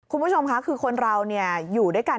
คุณผู้ชมค่ะคือคนเราอยู่ด้วยกัน